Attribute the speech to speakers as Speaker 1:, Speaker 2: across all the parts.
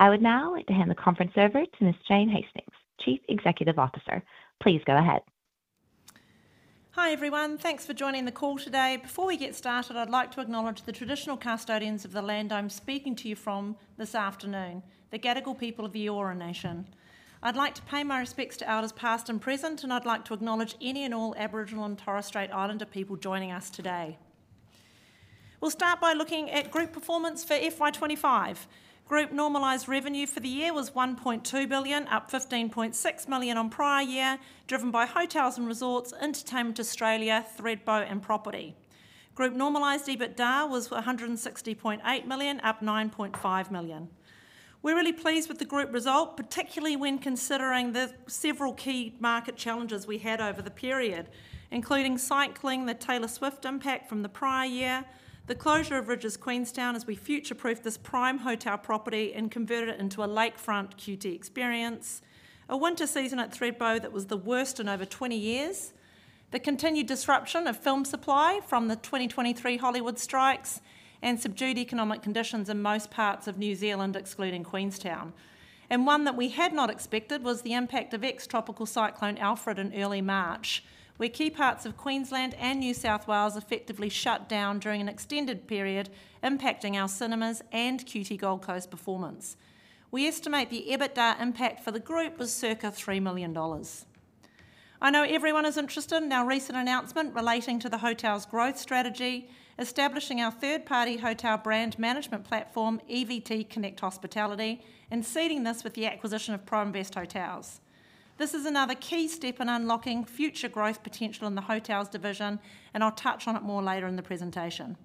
Speaker 1: I would now like to hand the conference over to Ms. Jane Hastings, Chief Executive Officer. Please go ahead.
Speaker 2: Hi everyone, thanks for joining the call today. Before we get started, I'd like to acknowledge the traditional custodians of the land I'm speaking to you from this afternoon, the Gadigal people of the Eora Nation. I'd like to pay my respects to elders past and present, and I'd like to acknowledge any and all Aboriginal and Torres Strait Islander people joining us today. We'll start by looking at group performance for FY25. Group normalised revenue for the year was $1.2 billion, up $15.6 million on prior year, driven by hotels and resorts, Entertainment Australia, Thredbo and property. Group normalised EBITDA was $160.8 million, up $9.5 million. We're really pleased with the group result, particularly when considering the several key market challenges we had over the period, including cycling the Taylor Swift impact from the prior year, the closure of Rydges Queenstown as we future-proofed this prime hotel property and converted it into a lakefront QT experience, a winter season at Thredbo that was the worst in over 20 years, the continued disruption of film supply from the 2023 Hollywood strikes, and subdued economic conditions in most parts of New Zealand, excluding Queenstown. One that we had not expected was the impact of ex-tropical cyclone Alfred in early March, where key parts of Queensland and New South Wales effectively shut down during an extended period, impacting our cinemas and QT Gold Coast performance. We estimate the EBITDA impact for the group was circa $3 million. I know everyone is interested in our recent announcement relating to the hotel growth strategy, establishing our third-party hotel brand management platform, EVT Connect Hospitality, and seeding this with the acquisition of Pro-invest Hotels. This is another key step in unlocking future growth potential in the hotels division, and I'll touch on it more later in the presentation.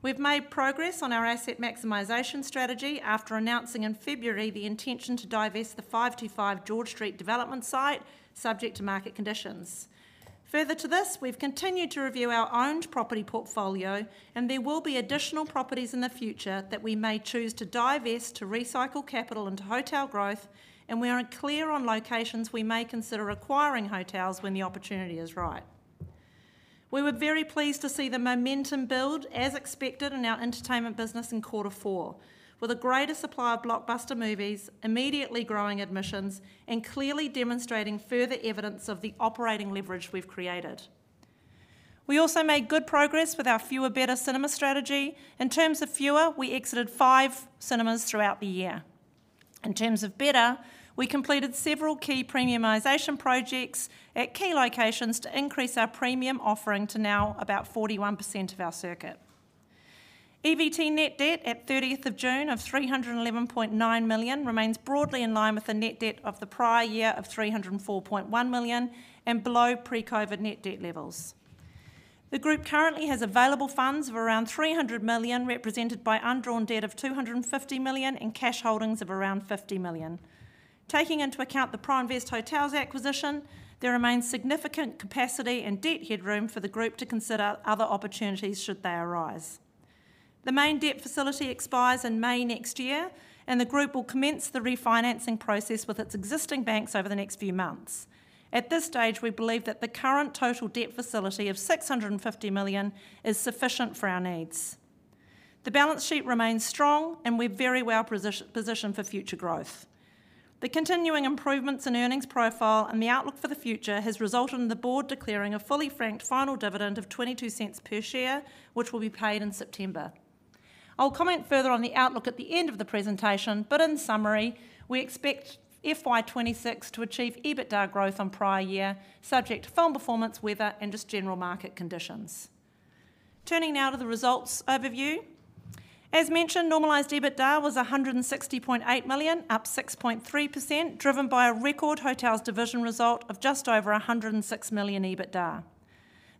Speaker 2: We've made progress on our asset maximisation strategy after announcing in February the intention to divest the 525 George Street development site, subject to market conditions. Further to this, we've continued to review our owned property portfolio, and there will be additional properties in the future that we may choose to divest to recycle capital into hotel growth, and we are clear on locations we may consider acquiring hotels when the opportunity is right. We were very pleased to see the momentum build, as expected, in our entertainment business in quarter four, with a greater supply of blockbuster movies, immediately growing admissions, and clearly demonstrating further evidence of the operating leverage we've created. We also made good progress with our fewer better cinema strategy. In terms of fewer, we exited five cinemas throughout the year. In terms of better, we completed several key premiumisation projects at key locations to increase our premium offering to now about 41% of our circuit. EVT net debt at June 30 of $311.9 million remains broadly in line with the net debt of the prior year of $304.1 million and below pre-COVID net debt levels. The group currently has available funds of around $300 million, represented by undrawn debt of $250 million and cash holdings of around $50 million. Taking into account the Pro-invest Hotels acquisition, there remains significant capacity and debt headroom for the group to consider other opportunities should they arise. The main debt facility expires in May next year, and the group will commence the refinancing process with its existing banks over the next few months. At this stage, we believe that the current total debt facility of $650 million is sufficient for our needs. The balance sheet remains strong, and we're very well positioned for future growth. The continuing improvements in earnings profile and the outlook for the future have resulted in the board declaring a fully franked final dividend of $0.22 per share, which will be paid in September. I'll comment further on the outlook at the end of the presentation, but in summary, we expect FY26 to achieve EBITDA growth on prior year, subject to film performance, weather, and just general market conditions. Turning now to the results overview. As mentioned, normalised EBITDA was $160.8 million, up 6.3%, driven by a record hotels division result of just over $106 million EBITDA.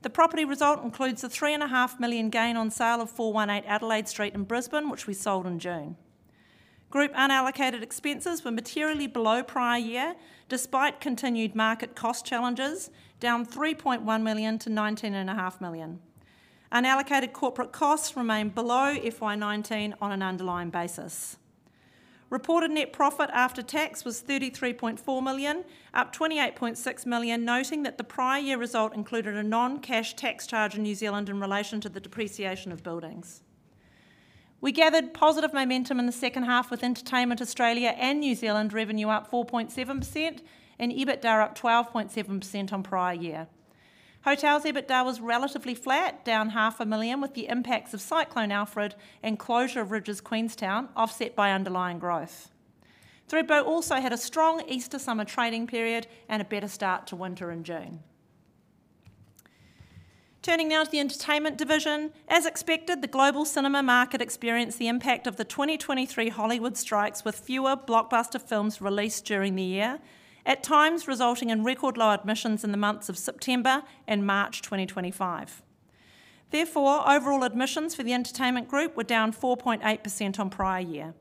Speaker 2: The property result includes a $3.5 million gain on sale of 418 Adelaide Street in Brisbane, which we sold in June. Group unallocated expenses were materially below prior year, despite continued market cost challenges, down $3.1 million to $19.5 million. Unallocated corporate costs remain below FY19 on an underlying basis. Reported net profit after tax was $33.4 million, up $28.6 million, noting that the prior year result included a non-cash tax charge in New Zealand in relation to the depreciation of buildings. We gathered positive momentum in the second half with entertainment Australia and New Zealand revenue up 4.7% and EBITDA up 12.7% on prior year. Hotels EBITDA was relatively flat, down $0.5 million with the impacts of cyclone Alfred and closure of Rydges Queenstown, offset by underlying growth. Thredbo also had a strong Easter summer trading period and a better start to winter in June. Turning now to the entertainment division, as expected, the global cinema market experienced the impact of the 2023 Hollywood strikes with fewer blockbuster films released during the year, at times resulting in record low admissions in the months of September and March 2025. Therefore, overall admissions for the entertainment group were down 4.8% on prior year.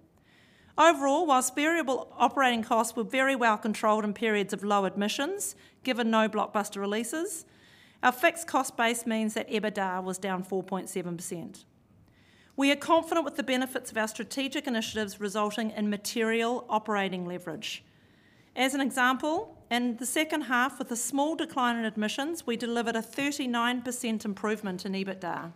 Speaker 2: Overall, whilst variable operating costs were very well controlled in periods of low admissions, given no blockbuster releases, our fixed cost base means that EBITDA was down 4.7%. We are confident with the benefits of our strategic initiatives resulting in material operating leverage. As an example, in the second half with a small decline in admissions, we delivered a 39% improvement in EBITDA.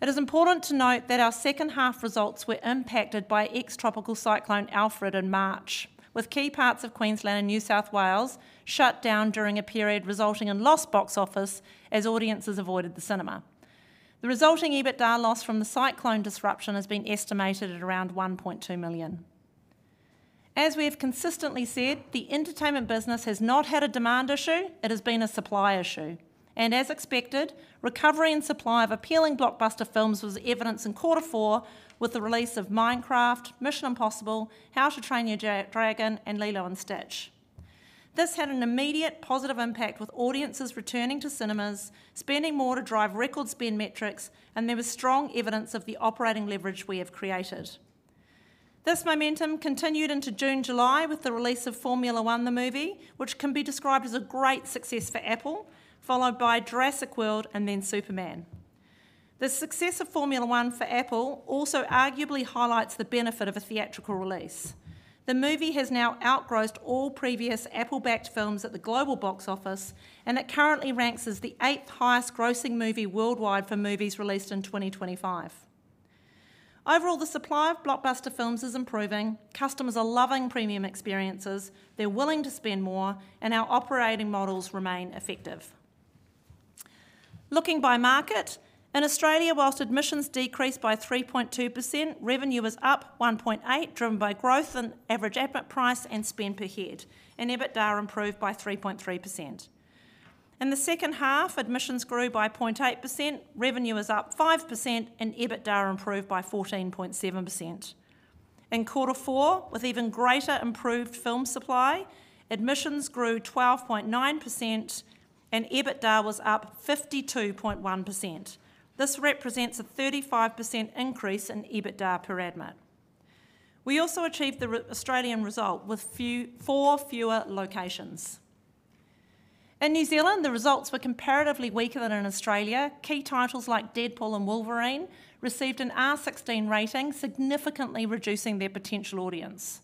Speaker 2: It is important to note that our second half results were impacted by ex-tropical cyclone Alfred in March, with key parts of Queensland and New South Wales shut down during a period resulting in lost box office as audiences avoided the cinema. The resulting EBITDA loss from the cyclone disruption has been estimated at around $1.2 million. As we have consistently said, the entertainment business has not had a demand issue; it has been a supply issue. As expected, recovery in supply of appealing blockbuster films was evidenced in quarter four with the release of Minecraft, Mission Impossible, How to Train Your Dragon, and Lilo & Stitch. This had an immediate positive impact with audiences returning to cinemas, spending more to drive record spend metrics, and there was strong evidence of the operating leverage we have created. This momentum continued into June, July with the release of Formula One: The Movie, which can be described as a great success for Apple, followed by Jurassic World and then Superman. The success of Formula One for Apple also arguably highlights the benefit of a theatrical release. The movie has now outgrossed all previous Apple-backed films at the global box office, and it currently ranks as the eighth highest grossing movie worldwide for movies released in 2025. Overall, the supply of blockbuster films is improving, customers are loving premium experiences, they're willing to spend more, and our operating models remain effective. Looking by market, in Australia, whilst admissions decreased by 3.2%, revenue was up 1.8%, driven by growth in average effort price and spend per head, and EBITDA improved by 3.3%. In the second half, admissions grew by 0.8%, revenue was up 5%, and EBITDA improved by 14.7%. In quarter four, with even greater improved film supply, admissions grew 12.9%, and EBITDA was up 52.1%. This represents a 35% increase in EBITDA per admit. We also achieved the Australian result with four fewer locations. In New Zealand, the results were comparatively weaker than in Australia. Key titles like Deadpool and Wolverine received an R16 rating, significantly reducing their potential audience.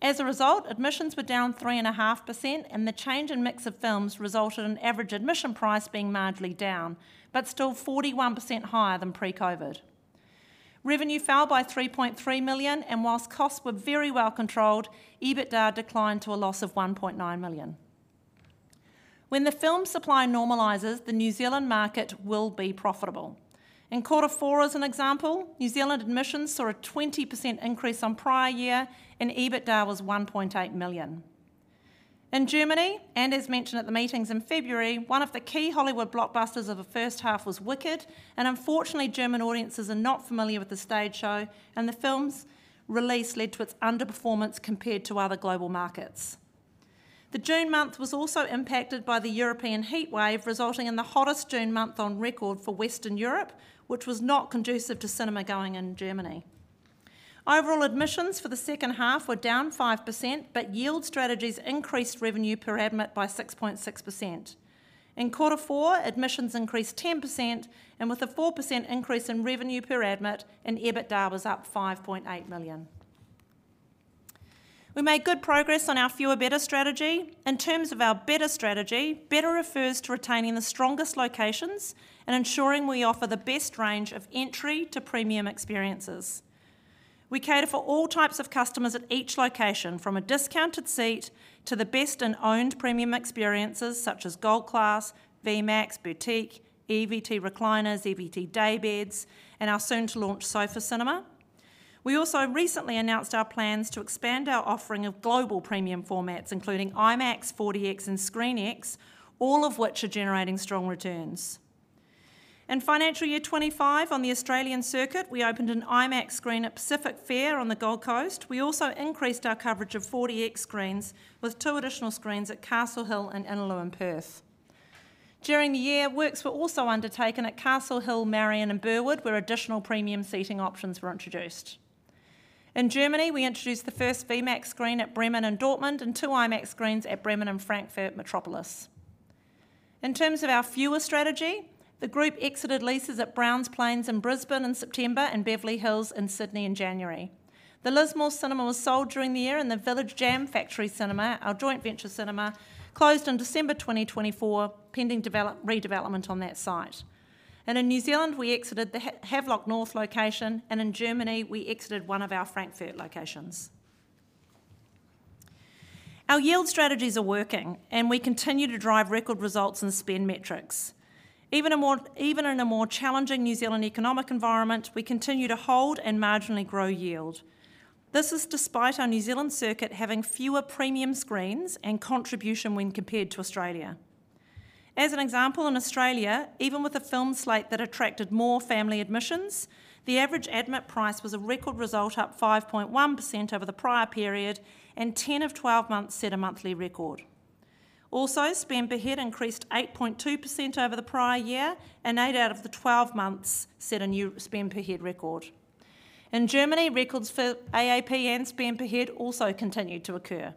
Speaker 2: As a result, admissions were down 3.5%, and the change in mix of films resulted in average admission price being marginally down, but still 41% higher than pre-COVID. Revenue fell by $3.3 million, and whilst costs were very well controlled, EBITDA declined to a loss of $1.9 million. When the film supply normalizes, the New Zealand market will be profitable. In quarter four, as an example, New Zealand admissions saw a 20% increase on prior year, and EBITDA was $1.8 million. In Germany, and as mentioned at the meetings in February, one of the key Hollywood blockbusters of the first half was Wicked, and unfortunately, German audiences are not familiar with the stage show, and the film's release led to its underperformance compared to other global markets. The June month was also impacted by the European heatwave, resulting in the hottest June month on record for Western Europe, which was not conducive to cinema going in Germany. Overall, admissions for the second half were down 5%, but yield strategies increased revenue per admit by 6.6%. In quarter four, admissions increased 10%, and with a 4% increase in revenue per admit, EBITDA was up $5.8 million. We made good progress on our fewer better strategy. In terms of our better strategy, better refers to retaining the strongest locations and ensuring we offer the best range of entry to premium experiences. We cater for all types of customers at each location, from a discounted seat to the best in owned premium experiences, such as Gold Class, V-Max, Boutique, EVT Recliners, EVT Daybeds, and our soon-to-launch Sofa Cinema. We also recently announced our plans to expand our offering of global premium formats, including IMAX, 4DX, and ScreenX, all of which are generating strong returns. In financial year 2025, on the Australian circuit, we opened an IMAX screen at Pacific Fair on the Gold Coast. We also increased our coverage of 4DX screens with two additional screens at Castle Hill and Innaloo Perth. During the year, works were also undertaken at Castle Hill, Marion, and Burwood, where additional premium seating options were introduced. In Germany, we introduced the first V-Max screen at Bremen and Dortmund and two IMAX screens at Bremen and Frankfurt Metropolis. In terms of our fewer strategy, the group exited leases at Browns Plains in Brisbane in September and Beverly Hills in Sydney in January. The Lismore cinema was sold during the year, and the Village Jam Factory cinema, our joint venture cinema, closed in December 2024, pending redevelopment on that site. In New Zealand, we exited the Havelock North location, and in Germany, we exited one of our Frankfurt locations. Our yield strategies are working, and we continue to drive record results and spend metrics. Even in a more challenging New Zealand economic environment, we continue to hold and marginally grow yield. This is despite our New Zealand circuit having fewer premium screens and contribution when compared to Australia. As an example, in Australia, even with a film slate that attracted more family admissions, the average admit price was a record result, up 5.1% over the prior period, and 10 of 12 months set a monthly record. Also, spend per head increased 8.2% over the prior year, and 8 out of the 12 months set a new spend per head record. In Germany, records for AAP and spend per head also continued to occur.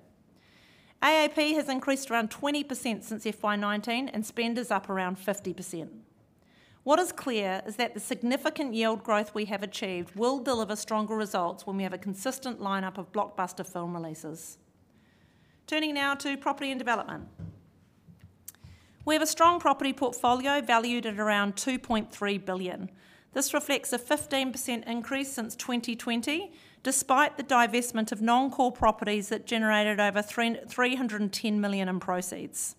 Speaker 2: AAP has increased around 20% since FY 2019, and spend is up around 50%. What is clear is that the significant yield growth we have achieved will deliver stronger results when we have a consistent lineup of blockbuster film releases. Turning now to property and development. We have a strong property portfolio valued at around $2.3 billion. This reflects a 15% increase since 2020, despite the divestment of non-core properties that generated over $310 million in proceeds.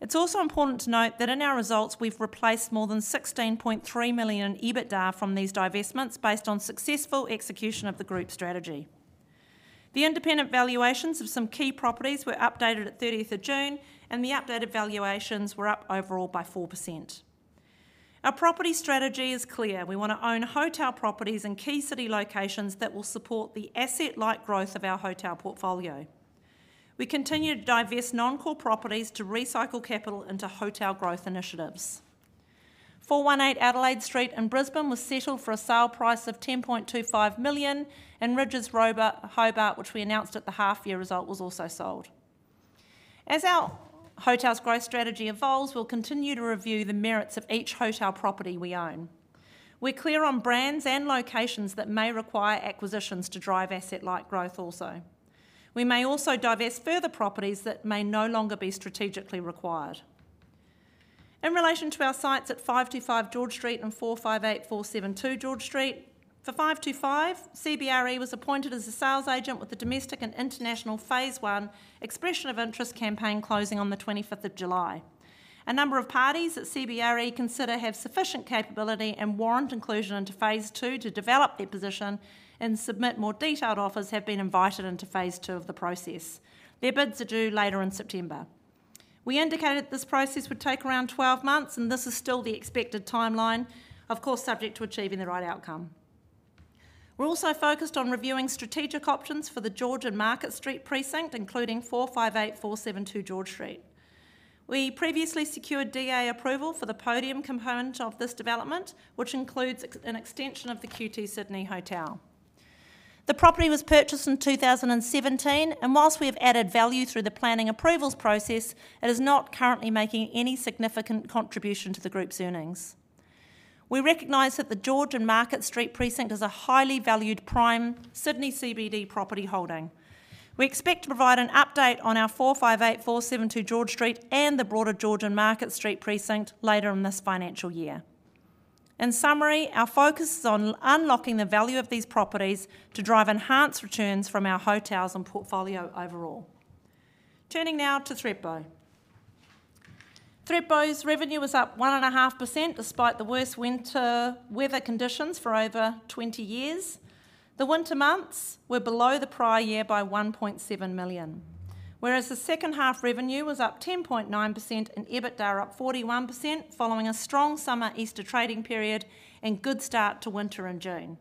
Speaker 2: It's also important to note that in our results, we've replaced more than $16.3 million in EBITDA from these divestments based on successful execution of the group strategy. The independent valuations of some key properties were updated at June 30, and the updated valuations were up overall by 4%. Our property strategy is clear. We want to own hotel properties in key city locations that will support the asset-like growth of our hotel portfolio. We continue to divest non-core properties to recycle capital into hotel growth initiatives. 418 Adelaide Street in Brisbane was settled for a sale price of $10.25 million, and Rydges Hobart, which we announced at the half-year result, was also sold. As our hotels' growth strategy evolves, we'll continue to review the merits of each hotel property we own. We're clear on brands and locations that may require acquisitions to drive asset-like growth also. We may also divest further properties that may no longer be strategically required. In relation to our sites at 525 George Street and 458-472 George Street, for 525, CBRE was appointed as a sales agent with a domestic and international phase one expression of interest campaign closing on July 25. A number of parties that CBRE consider have sufficient capability and warrant inclusion into phase two to develop their position and submit more detailed offers have been invited into phase two of the process. Their bids are due later in September. We indicated this process would take around 12 months, and this is still the expected timeline, of course, subject to achieving the right outcome. We're also focused on reviewing strategic options for the George and Market Street precinct, including 458-472 George Street. We previously secured DA approval for the podium component of this development, which includes an extension of the QT Sydney Hotel. The property was purchased in 2017, and whilst we have added value through the planning approvals process, it is not currently making any significant contribution to the group's earnings. We recognize that the George and Market Street precinct is a highly valued prime Sydney CBD property holding. We expect to provide an update on our 458-472 George Street and the broader George and Market Street precinct later in this financial year. In summary, our focus is on unlocking the value of these properties to drive enhanced returns from our hotels and portfolio overall. Turning now to Thredbo. Thredbo's revenue was up 1.5% despite the worst winter weather conditions for over 20 years. The winter months were below the prior year by $1.7 million, whereas the second half revenue was up 10.9% and EBITDA up 41% following a strong summer Easter trading period and good start to winter in June.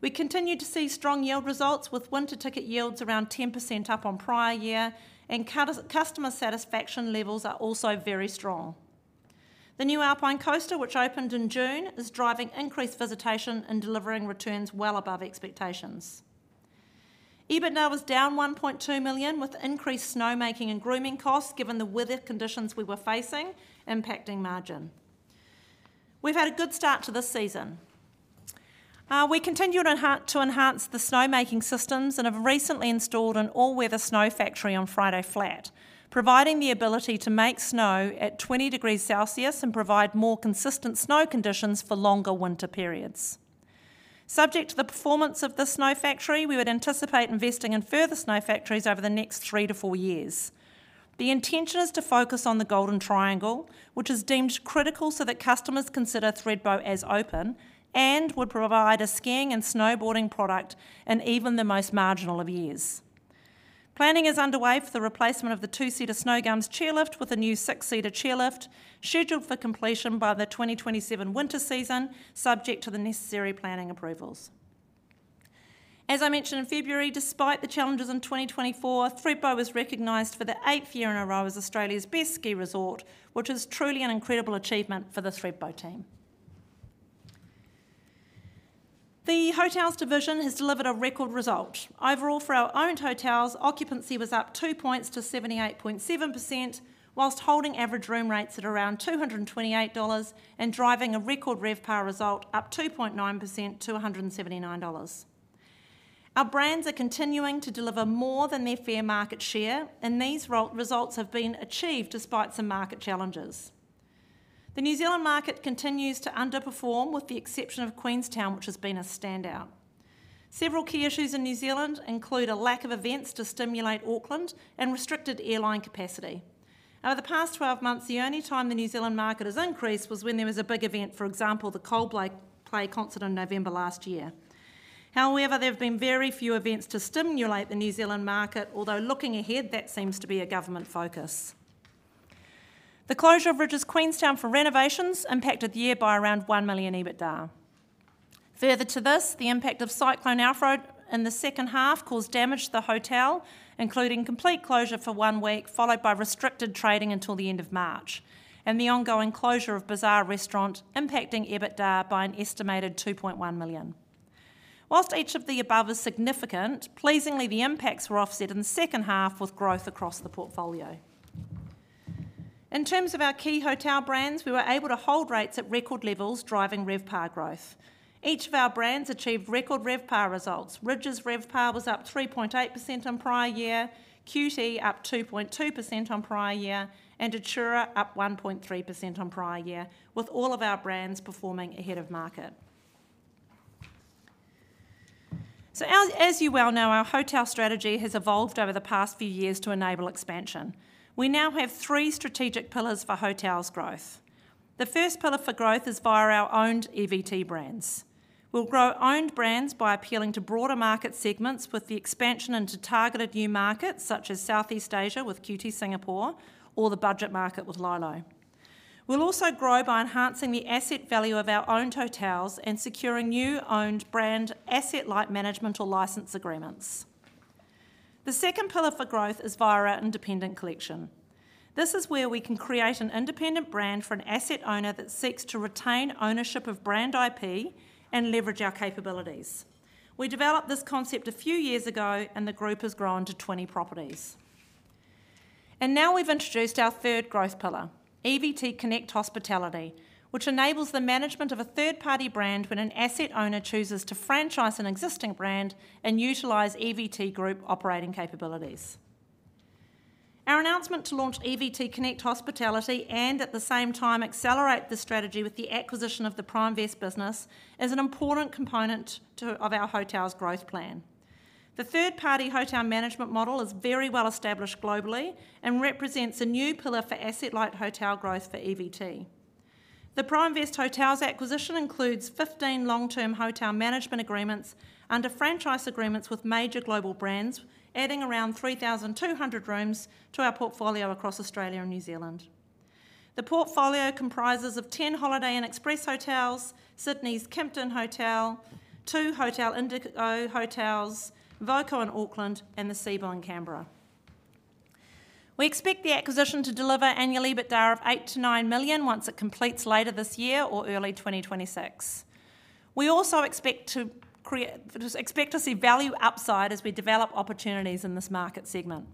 Speaker 2: We continue to see strong yield results with winter ticket yields around 10% up on prior year, and customer satisfaction levels are also very strong. The new Alpine Coaster, which opened in June, is driving increased visitation and delivering returns well above expectations. EBITDA was down $1.2 million with increased snow making and grooming costs given the weather conditions we were facing, impacting margin. We've had a good start to this season. We continue to enhance the snow making systems and have recently installed an all-weather snow factory on Friday Flat, providing the ability to make snow at 20 degrees Celsius and provide more consistent snow conditions for longer winter periods. Subject to the performance of this snow factory, we would anticipate investing in further snow factories over the next three to four years. The intention is to focus on the Golden Triangle, which is deemed critical so that customers consider Thredbo as open and would provide a skiing and snowboarding product in even the most marginal of years. Planning is underway for the replacement of the two-seater Snow Gums chairlift with a new six-seater chairlift scheduled for completion by the 2027 winter season, subject to the necessary planning approvals. As I mentioned in February, despite the challenges in 2024, Thredbo was recognized for the eighth year in a row as Australia's best ski resort, which is truly an incredible achievement for the Thredbo team. The hotels division has delivered a record result. Overall, for our owned hotels, occupancy was up two points to 78.7%, whilst holding average room rates at around $228 and driving a record RevPAR result up 2.9% to $179. Our brands are continuing to deliver more than their fair market share, and these results have been achieved despite some market challenges. The New Zealand market continues to underperform with the exception of Queenstown, which has been a standout. Several key issues in New Zealand include a lack of events to stimulate Auckland and restricted airline capacity. Over the past 12 months, the only time the New Zealand market has increased was when there was a big event, for example, the Coldplay concert in November last year. However, there have been very few events to stimulate the New Zealand market, although looking ahead, that seems to be a government focus. The closure of Rydges Queenstown for renovations impacted the year by around $1 million EBITDA. Further to this, the impact of Cyclone Alfred in the second half caused damage to the hotel, including complete closure for one week, followed by restricted trading until the end of March, and the ongoing closure of Bazaar Restaurant impacting EBITDA by an estimated $2.1 million. Whilst each of the above is significant, pleasingly, the impacts were offset in the second half with growth across the portfolio. In terms of our key hotel brands, we were able to hold rates at record levels, driving RevPAR growth. Each of our brands achieved record RevPAR results. Rydges RevPAR was up 3.8% on prior year, QT up 2.2% on prior year, and Atura up 1.3% on prior year, with all of our brands performing ahead of market. As you well know, our hotel strategy has evolved over the past few years to enable expansion. We now have three strategic pillars for hotels growth. The first pillar for growth is via our owned EVT brands. We'll grow owned brands by appealing to broader market segments with the expansion into targeted new markets, such as Southeast Asia with QT Singapore or the budget market with Lilo. We'll also grow by enhancing the asset value of our owned hotels and securing new owned brand asset-like management or license agreements. The second pillar for growth is via our independent collection. This is where we can create an independent brand for an asset owner that seeks to retain ownership of brand IP and leverage our capabilities. We developed this concept a few years ago, and the group has grown to 20 properties. Now we've introduced our third growth pillar, EVT Connect Hospitality, which enables the management of a third-party brand when an asset owner chooses to franchise an existing brand and utilize EVT Group operating capabilities. Our announcement to launch EVT Connect Hospitality and, at the same time, accelerate the strategy with the acquisition of the Pro-invest business is an important component of our hotels' growth plan. The third-party hotel management model is very well established globally and represents a new pillar for asset-like hotel growth for EVT. The Pro-invest Hotels acquisition includes 15 long-term hotel management agreements under franchise agreements with major global brands, adding around 3,200 rooms to our portfolio across Australia and New Zealand. The portfolio comprises 10 Holiday Inn Express Hotels, Sydney's Kimpton Hotel, two Hotel Indigo Hotels, Voco in Auckland, and the Sebel in Canberra. We expect the acquisition to deliver annual EBITDA of $8 to $9 million once it completes later this year or early 2025. We also expect to see value upside as we develop opportunities in this market segment.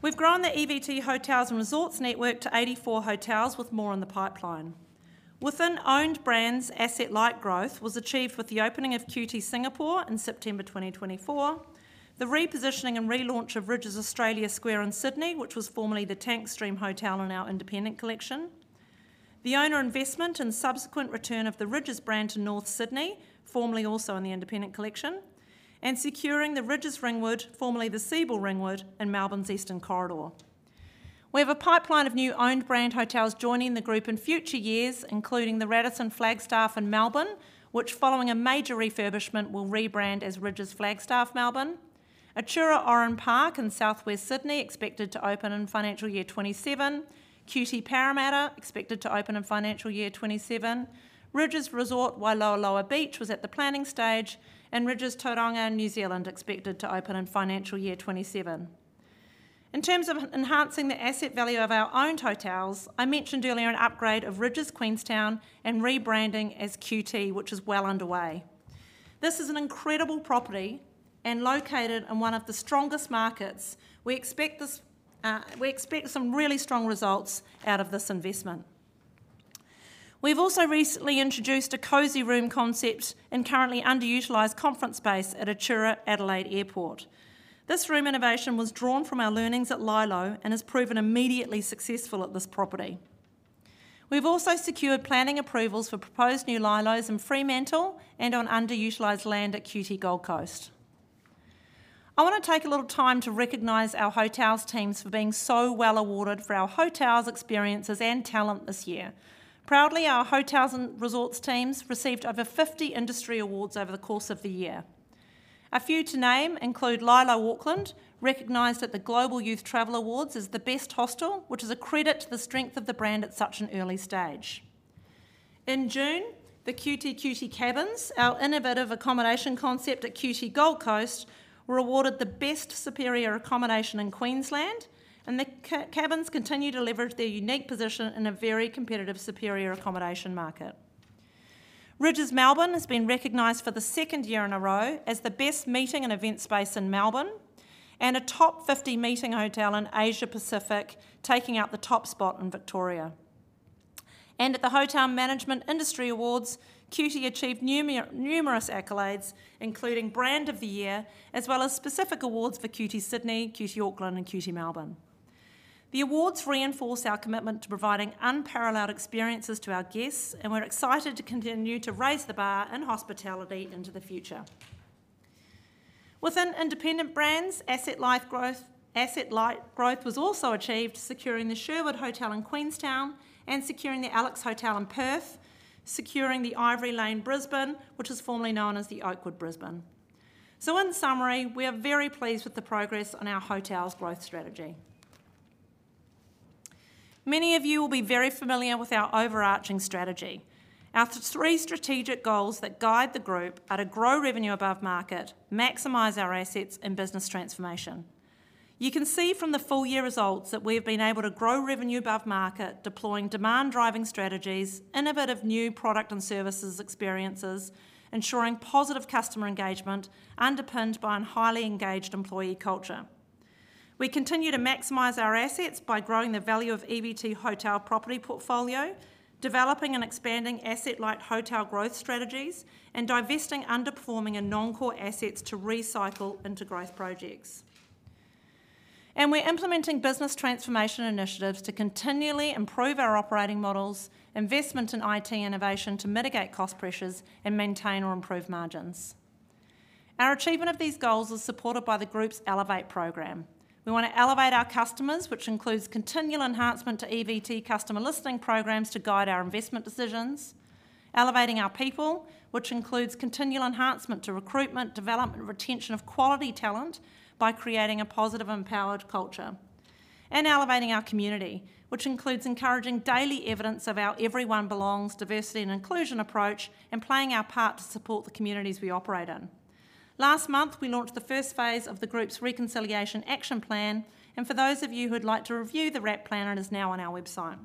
Speaker 2: We've grown the EVT Hotels and Resorts network to 84 hotels with more in the pipeline. Within owned brands, asset-light growth was achieved with the opening of QT Singapore in September 2024, the repositioning and relaunch of Rydges Australia Square in Sydney, which was formerly the Tank Stream Hotel in our independent collection, the owner investment and subsequent return of the Rydges brand to North Sydney, formerly also in the independent collection, and securing the Rydges Ringwood, formerly the Sebel Ringwood, in Melbourne's Eastern Corridor. We have a pipeline of new owned brand hotels joining the group in future years, including the Radisson Flagstaff in Melbourne, which, following a major refurbishment, will rebrand as Rydges Flagstaff Melbourne, Atura Orange Park in Southwest Sydney expected to open in financial year 2027, QT Parramatta expected to open in financial year 2027, Rydges Resort Wai Loa Lower Beach is at the planning stage, and Rydges Tauranga New Zealand expected to open in financial year 2027. In terms of enhancing the asset value of our owned hotels, I mentioned earlier an upgrade of Rydges Queenstown and rebranding as QT, which is well underway. This is an incredible property and located in one of the strongest markets. We expect some really strong results out of this investment. We've also recently introduced a cozy room concept in currently underutilized conference space at Atura Adelaide Airport. This room innovation was drawn from our learnings at Lilo and has proven immediately successful at this property. We've also secured planning approvals for proposed new Lilos in Fremantle and on underutilized land at QT Gold Coast. I want to take a little time to recognize our hotels teams for being so well awarded for our hotels, experiences, and talent this year. Proudly, our hotels and resorts teams received over 50 industry awards over the course of the year. A few to name include LyLo Auckland, recognized at the Global Youth Travel Awards as the best hostel, which is a credit to the strength of the brand at such an early stage. In June, the qtQT Cabins, our innovative accommodation concept at QT Gold Coast, were awarded the best superior accommodation in Queensland, and the cabins continue to leverage their unique position in a very competitive superior accommodation market. Rydges Melbourne has been recognized for the second year in a row as the best meeting and event space in Melbourne and a top 50 meeting hotel in Asia Pacific, taking out the top spot in Victoria. At the Hotel Management Industry Awards, QT achieved numerous accolades, including Brand of the Year, as well as specific awards for QT Sydney, QT Auckland, and QT Melbourne. The awards reinforce our commitment to providing unparalleled experiences to our guests, and we're excited to continue to raise the bar in hospitality into the future. Within independent brands, asset-light growth was also achieved, securing the Sherwood Hotel in Queenstown and securing the Alex Hotel in Perth, securing the Ivory Lane Brisbane, which is formerly known as the Oakwood Brisbane. In summary, we are very pleased with the progress on our hotels' growth strategy. Many of you will be very familiar with our overarching strategy. Our three strategic goals that guide the group are to grow revenue above market, maximize our assets, and business transformation. You can see from the full year results that we have been able to grow revenue above market, deploying demand-driving strategies, innovative new product and services experiences, ensuring positive customer engagement underpinned by a highly engaged employee culture. We continue to maximize our assets by growing the value of EVT Hotel property portfolio, developing and expanding asset-light hotel growth strategies, and divesting underperforming and non-core assets to recycle into growth projects. We are implementing business transformation initiatives to continually improve our operating models, investment in IT innovation to mitigate cost pressures, and maintain or improve margins. Our achievement of these goals is supported by the group's Elevate program. We want to elevate our customers, which includes continual enhancement to EVT customer listening programs to guide our investment decisions, elevating our people, which includes continual enhancement to recruitment, development, and retention of quality talent by creating a positive, empowered culture, and elevating our community, which includes encouraging daily evidence of our everyone belongs, diversity, and inclusion approach, and playing our part to support the communities we operate in. Last month, we launched the first phase of the group's reconciliation action plan, and for those of you who'd like to review the RAP plan, it is now on our website.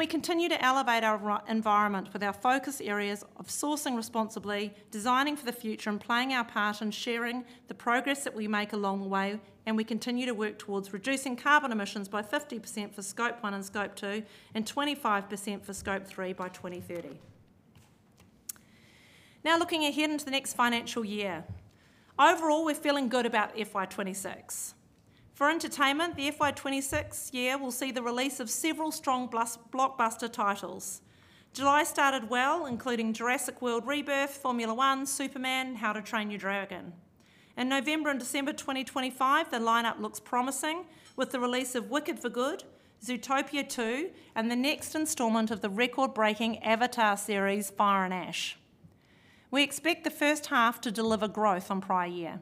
Speaker 2: We continue to elevate our environment with our focus areas of sourcing responsibly, designing for the future, and playing our part in sharing the progress that we make along the way. We continue to work towards reducing carbon emissions by 50% for Scope 1 and Scope 2, and 25% for Scope 3 by 2030. Now, looking ahead into the next financial year, overall, we're feeling good about FY 2026. For entertainment, the FY 2026 year will see the release of several strong blockbuster titles. July started well, including Jurassic World Rebirth, Formula One, Superman, and How to Train Your Dragon. In November and December 2025, the lineup looks promising with the release of Wicked for Good, Zootopia 2, and the next installment of the record-breaking Avatar series, Fire and Ash. We expect the first half to deliver growth on prior year.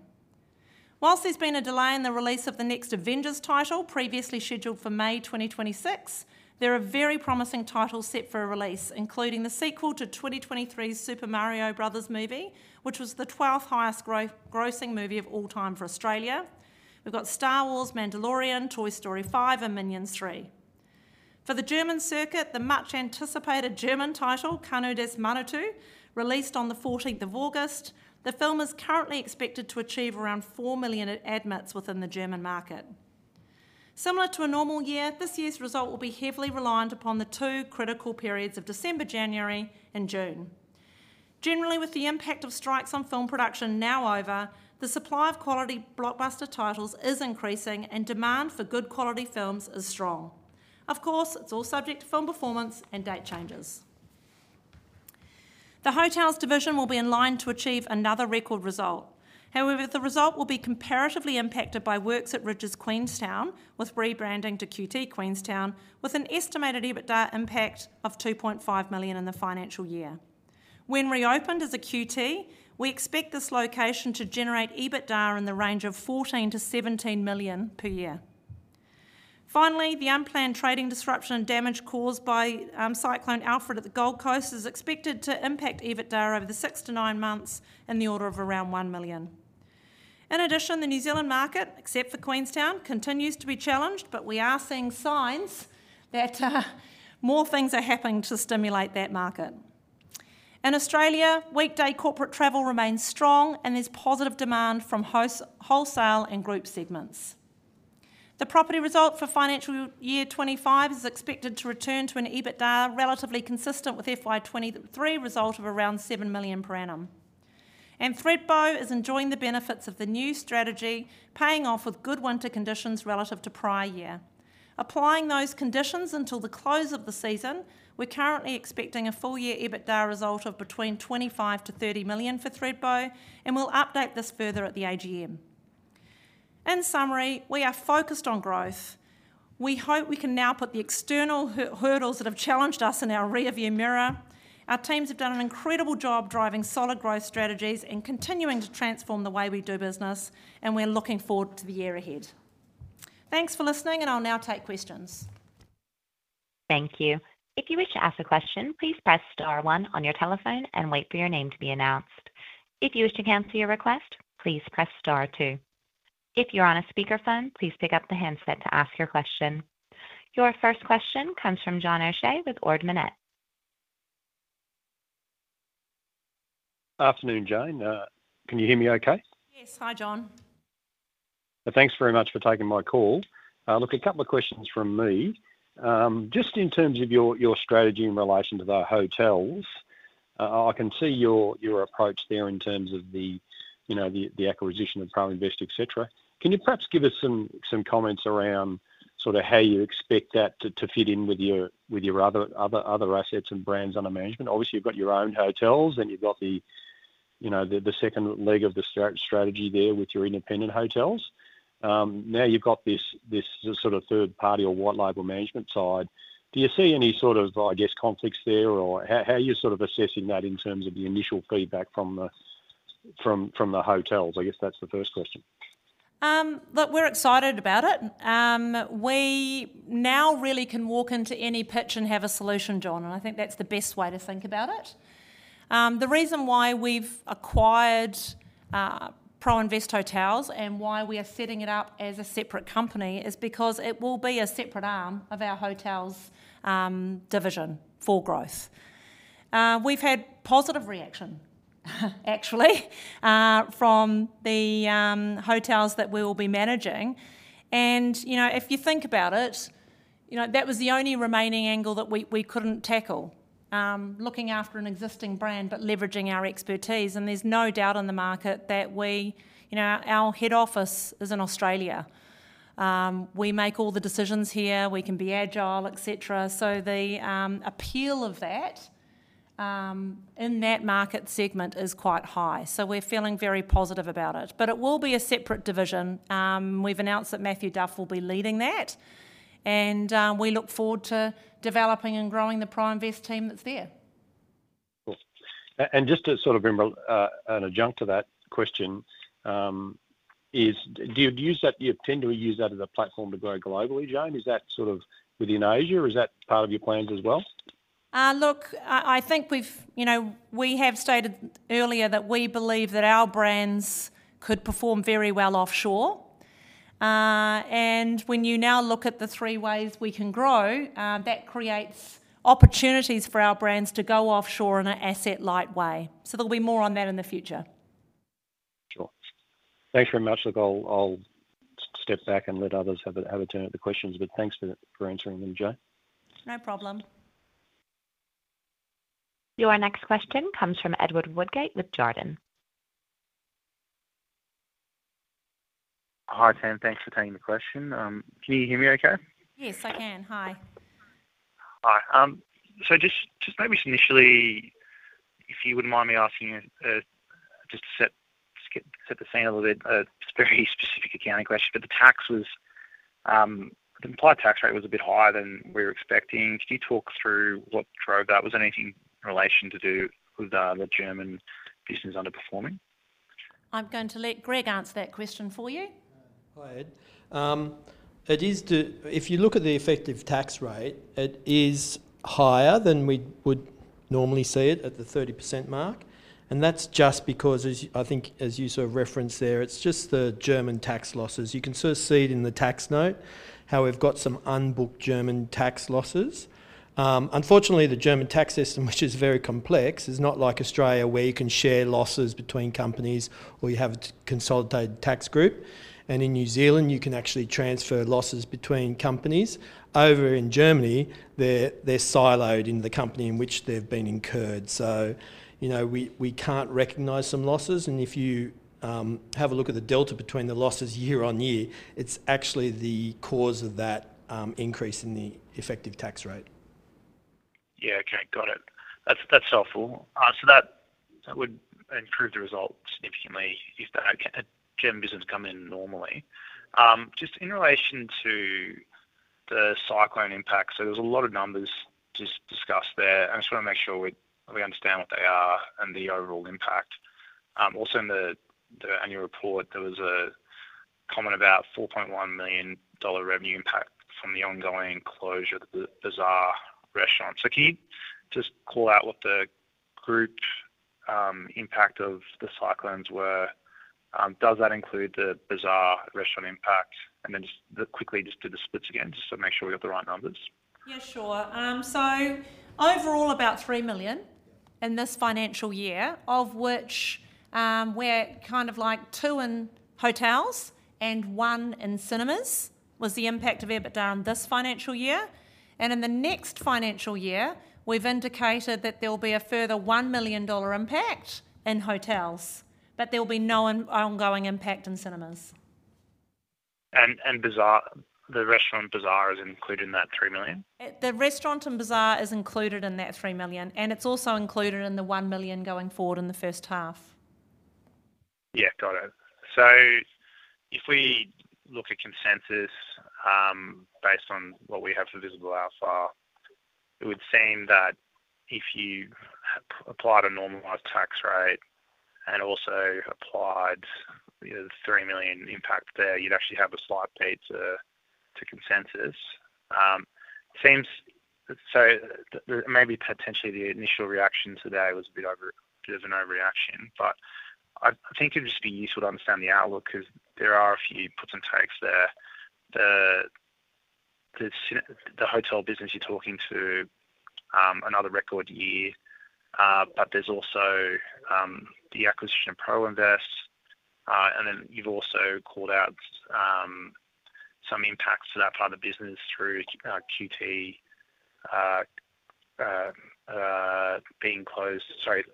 Speaker 2: Whilst there's been a delay in the release of the next Avengers title, previously scheduled for May 2026, there are very promising titles set for release, including the sequel to 2023's Super Mario Bros. movie, which was the 12th highest grossing movie of all time for Australia. We've got Star Wars, Mandalorian, Toy Story 5, and Minions 3. For the German circuit, the much anticipated German title, Das Kanu des Manitu, released on the 14th of August, the film is currently expected to achieve around 4 million admits within the German market. Similar to a normal year, this year's result will be heavily reliant upon the two critical periods of December, January, and June. Generally, with the impact of strikes on film production now over, the supply of quality blockbuster titles is increasing, and demand for good quality films is strong. Of course, it's all subject to film performance and date changes. The hotels division will be in line to achieve another record result. However, the result will be comparatively impacted by works at Rydges Queenstown, with rebranding to QT Queenstown, with an estimated EBITDA impact of $2.5 million in the financial year. When reopened as a QT, we expect this location to generate EBITDA in the range of $14 to $17 million per year. Finally, the unplanned trading disruption and damage caused by Cyclone Alfred at the Gold Coast is expected to impact EBITDA over the six to nine months in the order of around $1 million. In addition, the New Zealand market, except for Queenstown, continues to be challenged, but we are seeing signs that more things are happening to stimulate that market. In Australia, weekday corporate travel remains strong, and there's positive demand from wholesale and group segments. The property result for financial year 2025 is expected to return to an EBITDA relatively consistent with the FY 2023 result of around $7 million per annum. Thredbo is enjoying the benefits of the new strategy, paying off with good winter conditions relative to prior year. Applying those conditions until the close of the season, we're currently expecting a full year EBITDA result of between $25 to $30 million for Thredbo, and we'll update this further at the AGM. In summary, we are focused on growth. We hope we can now put the external hurdles that have challenged us in our rearview mirror. Our teams have done an incredible job driving solid growth strategies and continuing to transform the way we do business, and we're looking forward to the year ahead. Thanks for listening, and I'll now take questions.
Speaker 1: Thank you. If you wish to ask a question, please press star one on your telephone and wait for your name to be announced. If you wish to cancel your request, please press star two. If you're on a speaker phone, please pick up the handset to ask your question. Your first question comes from John O'Shea with Ord Minnett.
Speaker 3: Afternoon, Jane. Can you hear me okay?
Speaker 2: Yes, hi John.
Speaker 3: Thanks very much for taking my call. A couple of questions from me. In terms of your strategy in relation to the hotels, I can see your approach there in terms of the acquisition of Pro-invest, etc. Can you perhaps give us some comments around how you expect that to fit in with your other assets and brands under management? Obviously, you've got your own hotels, and you've got the second leg of the strategy there with your independent hotels. Now you've got this third-party or white label management side. Do you see any conflicts there, or how are you assessing that in terms of the initial feedback from the hotels? I guess that's the first question.
Speaker 2: Look, we're excited about it. We now really can walk into any pitch and have a solution, John, and I think that's the best way to think about it. The reason why we've acquired Pro-invest Hotels and why we are setting it up as a separate company is because it will be a separate arm of our hotels division for growth. We've had positive reaction, actually, from the hotels that we will be managing. If you think about it, that was the only remaining angle that we couldn't tackle, looking after an existing brand but leveraging our expertise. There's no doubt in the market that our head office is in Australia. We make all the decisions here. We can be agile, etc. The appeal of that in that market segment is quite high. We're feeling very positive about it. It will be a separate division. We've announced that Mathew Duff will be leading that. We look forward to developing and growing the Pro-invest team that's there.
Speaker 3: Just to sort of, in an adjunct to that question, do you use that, do you intend to use that as a platform to grow globally, Jane? Is that sort of within Asia, or is that part of your plans as well?
Speaker 2: I think we've stated earlier that we believe that our brands could perform very well offshore. When you now look at the three ways we can grow, that creates opportunities for our brands to go offshore in an asset-light way. There'll be more on that in the future.
Speaker 3: Sure. Thanks very much. I'll step back and let others have a turn at the questions, but thanks for answering them, Jane.
Speaker 2: No problem.
Speaker 1: Your next question comes from Edward Woodgate with Jarden.
Speaker 4: Hi Tan, thanks for taking the question. Can you hear me okay?
Speaker 2: Yes, I can. Hi.
Speaker 4: Hi, just maybe initially, if you wouldn't mind me asking to set the scene a little bit, a very specific accounting question. The tax was, the implied tax rate was a bit higher than we were expecting. Could you talk through what drove that? Was there anything in relation to do with the German business underperforming?
Speaker 2: I'm going to let Greg Dean answer that question for you.
Speaker 5: Hi Ed. If you look at the effective tax rate, it is higher than we would normally see it at the 30% mark. That's just because, as I think, as you sort of referenced there, it's just the German tax losses. You can sort of see it in the tax note how we've got some unbooked German tax losses. Unfortunately, the German tax system, which is very complex, is not like Australia where you can share losses between companies or you have a consolidated tax group. In New Zealand, you can actually transfer losses between companies. Over in Germany, they're siloed in the company in which they've been incurred. We can't recognize some losses. If you have a look at the delta between the losses year on year, it's actually the cause of that increase in the effective tax rate. Yeah. Okay. Got it. That's helpful.
Speaker 4: That would improve the result significantly if the German business come in normally. Just in relation to the cyclone impacts, there's a lot of numbers just discussed there. I just want to make sure we understand what they are and the overall impact. Also, in the annual report, there was a comment about $4.1 million revenue impact from the ongoing closure of the Bazaar Restaurant. Can you just call out what the group impact of the cyclones were? Does that include the Bazaar Restaurant impact? Then just quickly do the splits again just to make sure we got the right numbers.
Speaker 2: Yeah, sure. Overall, about $3 million in this financial year, of which we're kind of like $2 million in hotels and $1 million in cinemas was the impact of EBITDA in this financial year. In the next financial year, we've indicated that there'll be a further $1 million impact in hotels, but there'll be no ongoing impact in cinemas.
Speaker 4: Is the restaurant and Bazaar included in that $3 million?
Speaker 2: The restaurant and bazaar is included in that $3 million, and it's also included in the $1 million going forward in the first half.
Speaker 4: Got it. If we look at consensus based on what we have for Visible Alpha, it would seem that if you applied a normalised tax rate and also applied the $3 million impact there, you'd actually have a slight beat to consensus. It seems so maybe potentially the initial reaction today was a bit of an overreaction. I think it'd just be useful to understand the outlook because there are a few puts and takes there. The hotel business, you're talking to another record year, but there's also the acquisition of Pro-invest. You've also called out some impacts to that part of the business through QT being closed. Sorry,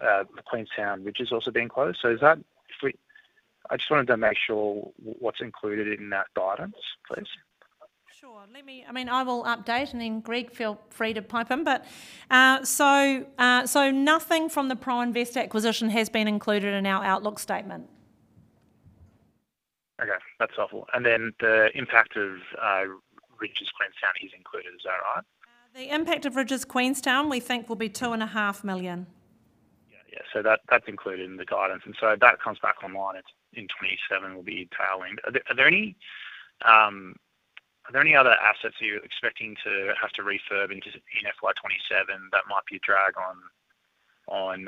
Speaker 4: the Queenstown bridges also being closed. I just wanted to make sure what's included in that guidance, please.
Speaker 2: Sure. Let me update, and then Greg, feel free to pipe in. Nothing from the Pro-invest acquisition has been included in our outlook statement.
Speaker 4: Okay, that's helpful. The impact of Rydges Queenstown is included, is that right?
Speaker 2: The impact of Rydges Queenstown we think will be $2.5 million.
Speaker 4: Yeah, that's included in the guidance. That comes back online in 2027, will be entailing. Are there any other assets that you're expecting to have to refurb in FY2027 that might be a drag on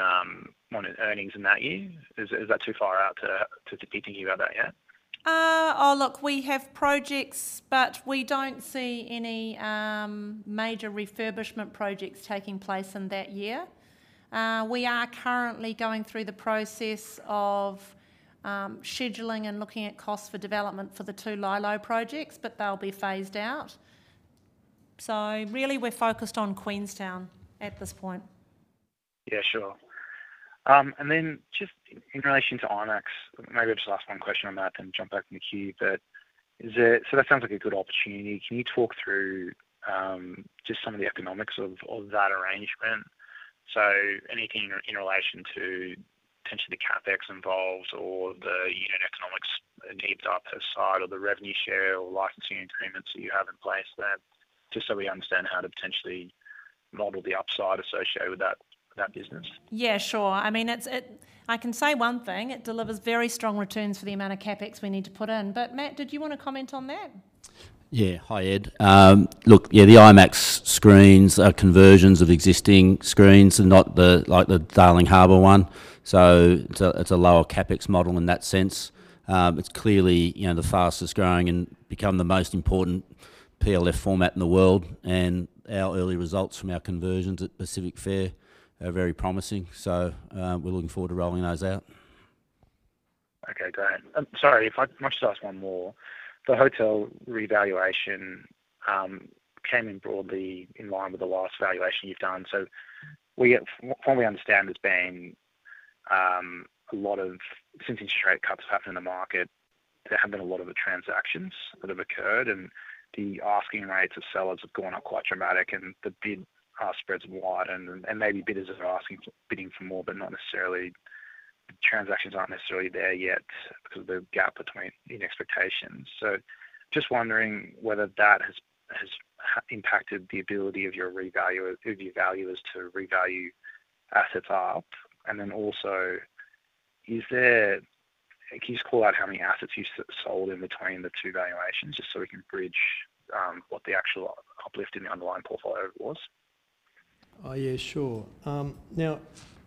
Speaker 4: earnings in that year? Is that too far out to be thinking about that yet?
Speaker 2: Oh, look, we have projects, but we don't see any major refurbishment projects taking place in that year. We are currently going through the process of scheduling and looking at costs for development for the two Lilo projects, but they'll be phased out. We are really focused on Queenstown at this point.
Speaker 4: Yeah, sure. In relation to IMAX, maybe I'll just ask one question on that and then jump back in the queue. Is there, that sounds like a good opportunity. Can you talk through just some of the economics of that arrangement? Anything in relation to potentially the CapEx involved or the unit economics, upside, or the revenue share or licensing agreements that you have in place there, just so we understand how to potentially model the upside associated with that business.
Speaker 2: Yeah, sure. I mean, I can say one thing. It delivers very strong returns for the amount of CapEx we need to put in. Matt, did you want to comment on that?
Speaker 6: Yeah, hi Ed. The IMAX screens are conversions of existing screens and not like the Darling Harbour one. It's a lower CapEx model in that sense. It's clearly the fastest growing and becoming the most important PLF format in the world. Our early results from our conversions at Pacific Fair are very promising. We're looking forward to rolling those out.
Speaker 4: Sorry, if I might just ask one more. The hotel revaluation came in broadly in line with the last valuation you've done. From what we understand, since interest rate cuts have happened in the market, there have been a lot of transactions that have occurred. The asking rates of sellers have gone up quite dramatically and the bid spreads are wide. Maybe bidders are bidding for more, but the transactions aren't necessarily there yet because of the gap between expectations. I'm just wondering whether that has impacted the ability of your valuers to revalue assets up. Also, can you just call out how many assets you sold in between the two valuations just so we can bridge what the actual uplift in the underlying portfolio was?
Speaker 5: Yeah, sure. Now,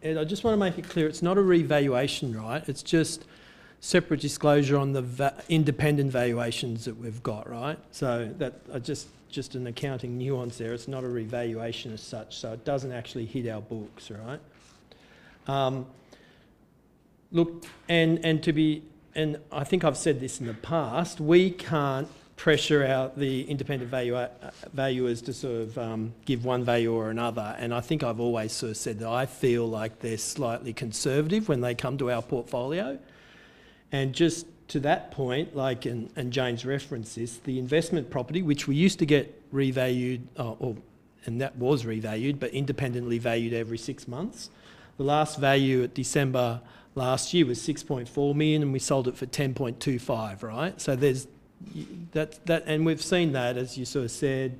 Speaker 5: Ed, I just want to make it clear it's not a revaluation, right? It's just separate disclosure on the independent valuations that we've got, right? That's just an accounting nuance there. It's not a revaluation as such. It doesn't actually hit our books, right? Look, and I think I've said this in the past, we can't pressure out the independent valuers to sort of give one value or another. I think I've always sort of said that I feel like they're slightly conservative when they come to our portfolio. Just to that point, like in Jane's references, the investment property, which we used to get revalued, or, and that was revalued, but independently valued every six months, the last value at December last year was $6.4 million, and we sold it for $10.25 million, right? There's, that's, that, and we've seen that, as you sort of said,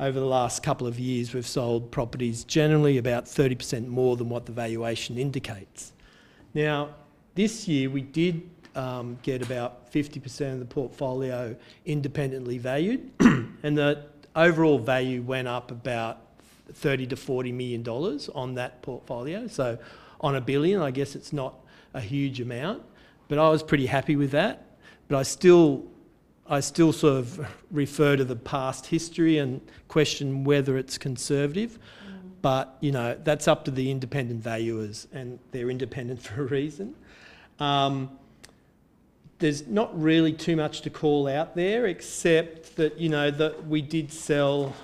Speaker 5: over the last couple of years, we've sold properties generally about 30% more than what the valuation indicates. This year we did get about 50% of the portfolio independently valued, and the overall value went up about $30 to $40 million on that portfolio. On a billion, I guess it's not a huge amount, but I was pretty happy with that. I still sort of refer to the past history and question whether it's conservative, but you know, that's up to the independent valuers, and they're independent for a reason. There's not really too much to call out there except that, you know, we did sell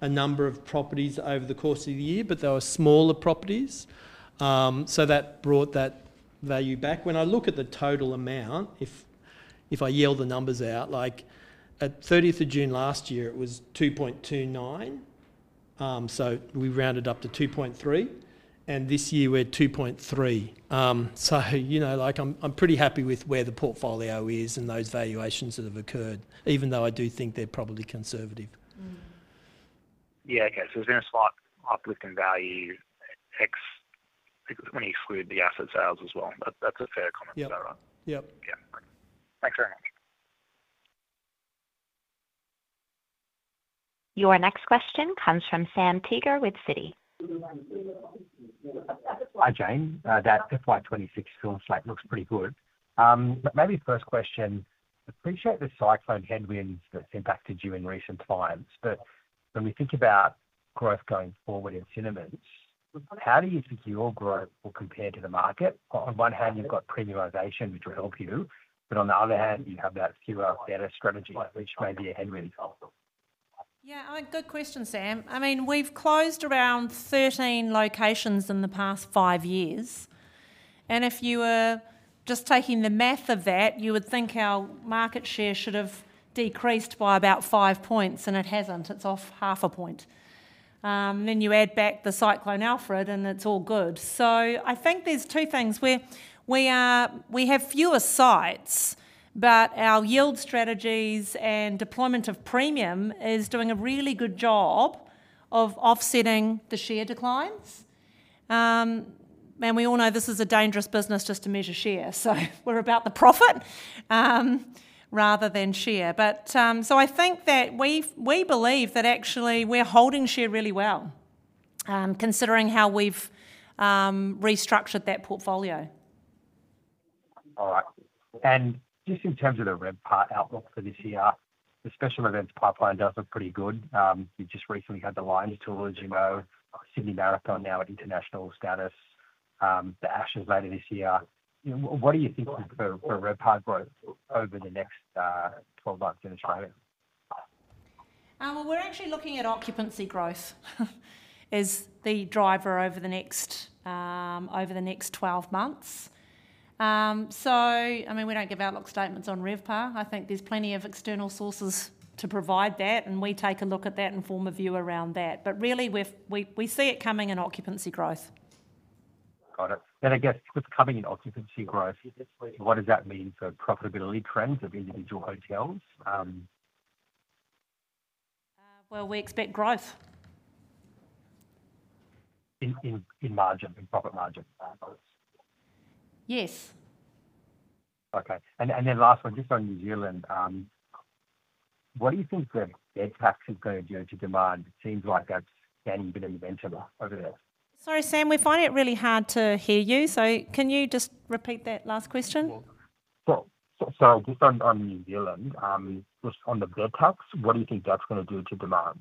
Speaker 5: a number of properties over the course of the year, but they were smaller properties. That brought that value back. When I look at the total amount, if I yell the numbers out, like at 30th of June last year, it was $2.29 billion. So we rounded up to $2.3 billion, and this year we're $2.3 billion. I'm pretty happy with where the portfolio is and those valuations that have occurred, even though I do think they're probably conservative.
Speaker 4: Okay, there's been a slight uplift in value when you exclude the asset sales as well. That's a fair comment. Is that right?
Speaker 5: Yeah.
Speaker 4: Yeah, great. Thanks very much.
Speaker 1: Your next question comes from Sam Teeger with Citi.
Speaker 7: Hi Jane, that FY 2026 score looks pretty good. Maybe the first question, I appreciate the cyclone headwinds that's impacted you in recent clients, but when we think about growth going forward in cinemas, how do you think your growth will compare to the market? On one hand, you've got premiumization, which will help you, but on the other hand, you have that fewer better strategy, which may be a headwind.
Speaker 2: Yeah, good question, Sam. We've closed around 13 locations in the past five years. If you were just taking the math of that, you would think our market share should have decreased by about 5%, and it hasn't. It's off 0.5%. You add back the cyclone Alfred, and it's all good. I think there's two things. We have fewer sites, but our yield strategies and deployment of premium are doing a really good job of offsetting the share declines. We all know this is a dangerous business just to measure share. We're about the profit rather than share. I think that we believe that actually we're holding share really well, considering how we've restructured that portfolio.
Speaker 7: All right. In terms of the RevPAR outlook for this year, the special events pipeline does look pretty good. You just recently had the Lions Tour, GMO, Sydney Marathon now at international status, the Ashes later this year. What do you think for RevPAR growth over the next 12 months in Australia?
Speaker 2: We're actually looking at occupancy growth as the driver over the next 12 months. I mean, we don't give outlook statements on RevPAR. I think there's plenty of external sources to provide that, and we take a look at that and form a view around that. Really, we see it coming in occupancy growth.
Speaker 7: Got it. I guess with coming in occupancy growth, what does that mean for profitability trends of individual hotels?
Speaker 2: We expect growth.
Speaker 7: In margin, in profit margin?
Speaker 2: Yes.
Speaker 7: Okay. The last one, just on New Zealand, what do you think the bed packs are going to do to demand? It seems like that's been an event over there.
Speaker 2: Sorry, Sam, we find it really hard to hear you. Can you just repeat that last question?
Speaker 7: On New Zealand, just on the bed packs, what do you think that's going to do to demand?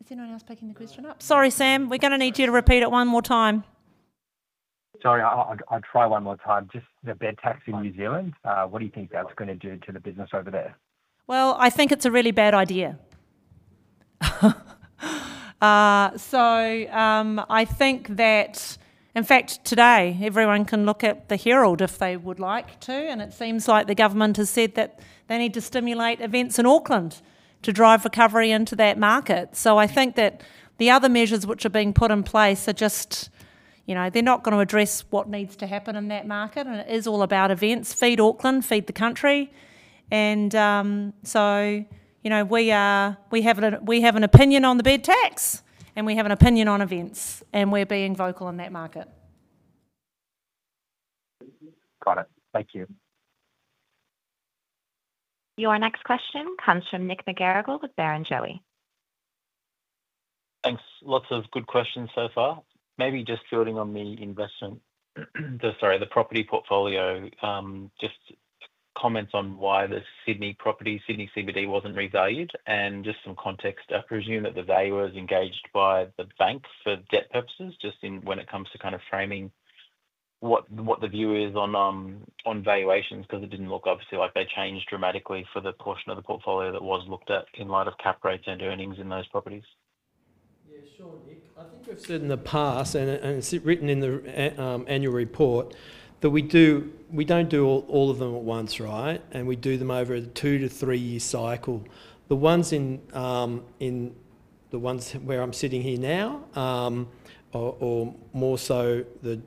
Speaker 2: Is anyone else picking the question up? Sorry, Sam, we're going to need you to repeat it one more time.
Speaker 7: Just the bed packs in New Zealand, what do you think that's going to do to the business over there?
Speaker 2: I think it's a really bad idea. In fact, today everyone can look at the Herald if they would like to. It seems like the government has said that they need to stimulate events in Auckland to drive recovery into that market. I think that the other measures which are being put in place are just, you know, they're not going to address what needs to happen in that market. It is all about events, feed Auckland, feed the country. We have an opinion on the bed packs, and we have an opinion on events, and we're being vocal in that market.
Speaker 7: Got it. Thank you.
Speaker 1: Your next question comes from Nick McGarrigle with Barenjoey.
Speaker 8: Thanks. Lots of good questions so far. Maybe just building on the investment, the property portfolio, just comments on why the Sydney property, Sydney CBD, wasn't revalued. Just some context, I presume that the valuer is engaged by the bank for debt purposes, just in when it comes to kind of framing what the view is on valuations, because it didn't look obviously like they changed dramatically for the portion of the portfolio that was looked at in light of cap rates and earnings in those properties.
Speaker 5: Yeah, sure, Nick. I think we've said in the past, and it's written in the annual report, that we do, we don't do all of them at once, right? We do them over a two to three-year cycle. The ones where I'm sitting here now, or more so the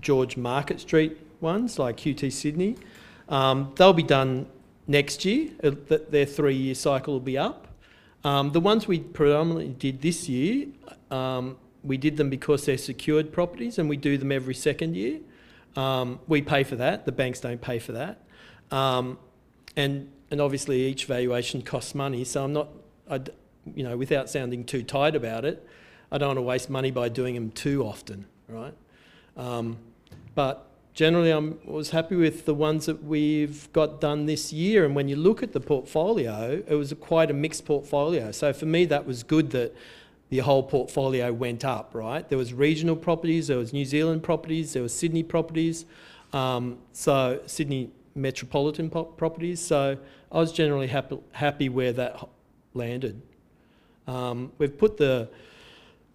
Speaker 5: George Market Street ones, like QT Sydney, they'll be done next year. Their three-year cycle will be up. The ones we predominantly did this year, we did them because they're secured properties, and we do them every second year. We pay for that. The banks don't pay for that. Obviously, each valuation costs money. I'm not, you know, without sounding too tight about it, I don't want to waste money by doing them too often, right? Generally, I was happy with the ones that we've got done this year. When you look at the portfolio, it was quite a mixed portfolio. For me, that was good that the whole portfolio went up, right? There were regional properties, there were New Zealand properties, there were Sydney properties, so Sydney metropolitan properties. I was generally happy where that landed. We've put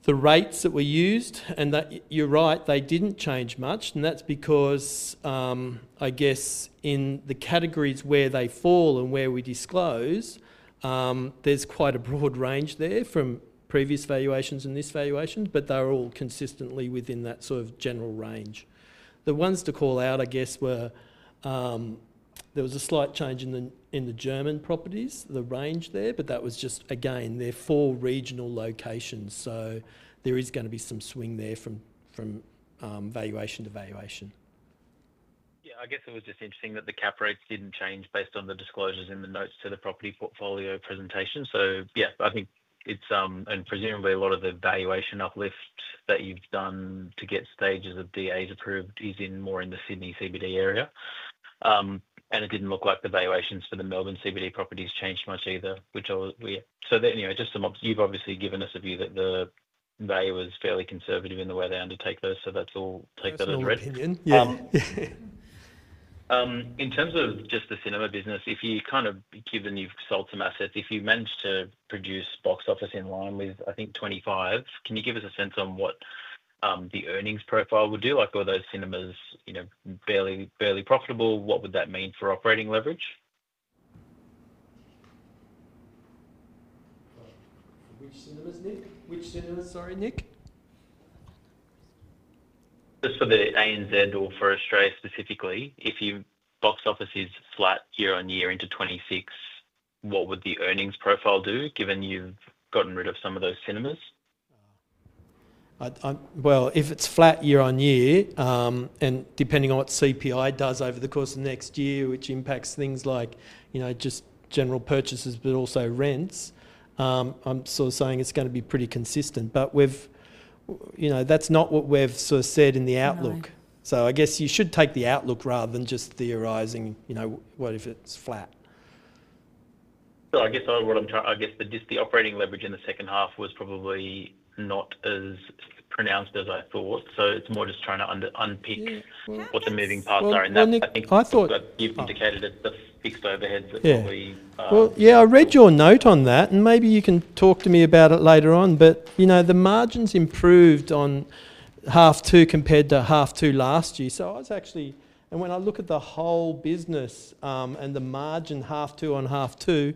Speaker 5: the rates that were used, and you're right, they didn't change much. That's because, I guess, in the categories where they fall and where we disclose, there's quite a broad range there from previous valuations and this valuation, but they're all consistently within that sort of general range. The ones to call out, I guess, were there was a slight change in the German properties, the range there, but that was just, again, they're for regional locations. There is going to be some swing there from valuation to valuation.
Speaker 8: I guess it was just interesting that the cap rates didn't change based on the disclosures in the notes to the property portfolio presentation. I think it's, and presumably a lot of the valuation uplift that you've done to get stages of DAs approved is more in the Sydney CBD area. It didn't look like the valuations for the Melbourne CBD properties changed much either, which I was, you know, just some, you've obviously given us a view that the valuer was fairly conservative in the way they undertake those, that's all.
Speaker 5: That's a good opinion.
Speaker 8: In terms of just the cinema business, if you kind of, given you've sold some assets, if you managed to produce box office in line with, I think, 2025, can you give us a sense on what the earnings profile would do? Like, were those cinemas, you know, barely profitable? What would that mean for operating leverage?
Speaker 5: For which cinemas, Nick? Which cinemas, sorry, Nick?
Speaker 8: Just for the ANZ or for Australia specifically, if your box office is flat year on year into 2026, what would the earnings profile do, given you've gotten rid of some of those cinemas?
Speaker 5: If it's flat year on year, and depending on what CPI does over the course of next year, which impacts things like general purchases, but also rents, I'm sort of saying it's going to be pretty consistent. That's not what we've said in the outlook. I guess you should take the outlook rather than just theorizing what if it's flat.
Speaker 8: I guess the operating leverage in the second half was probably not as pronounced as I thought. It's more just trying to unpick what the moving parts are.
Speaker 5: Nick, I thought.
Speaker 8: You've indicated it's the fixed overhead.
Speaker 5: Yeah, I read your note on that, and maybe you can talk to me about it later on, but you know, the margins improved on half two compared to half two last year. I was actually, and when I look at the whole business and the margin half two on half two,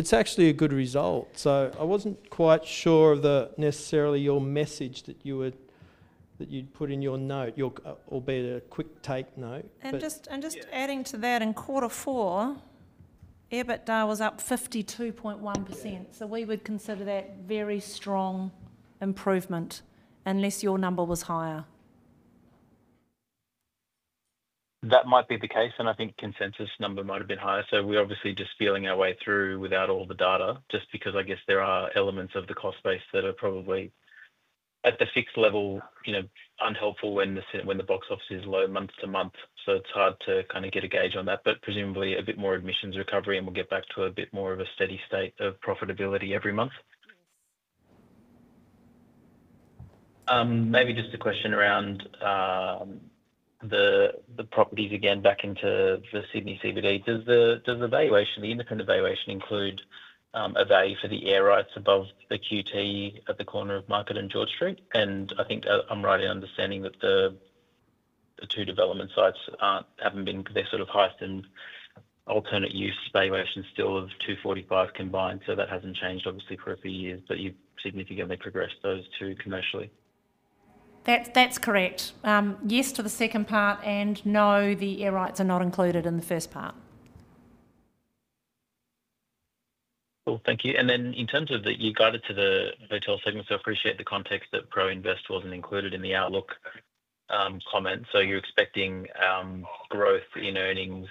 Speaker 5: it's actually a good result. I wasn't quite sure of necessarily your message that you'd put in your note, albeit a quick take note.
Speaker 2: Just adding to that, in quarter four, EBITDA was up 52.1%. We would consider that very strong improvement unless your number was higher.
Speaker 8: That might be the case, and I think consensus number might have been higher. We're obviously just feeling our way through without all the data, just because there are elements of the cost base that are probably at the fixed level, unhelpful when the box office is low month to month. It's hard to kind of get a gauge on that, but presumably a bit more admissions recovery, and we'll get back to a bit more of a steady state of profitability every month. Maybe just a question around the properties again back into the Sydney CBD. Does the valuation, the independent valuation, include a value for the air rights above the QT at the corner of Market and George Street? I think I'm right in understanding that the two development sites haven't been, they're sort of hyped and alternate use valuations still of $245 million combined. That hasn't changed for a few years, but you've significantly progressed those two commercially.
Speaker 2: That's correct. Yes to the second part, and no, the air rights are not included in the first part.
Speaker 8: Thank you. In terms of the, you guided to the hotel segment, I appreciate the context that Pro-invest Hotels wasn't included in the outlook comment. You're expecting growth in earnings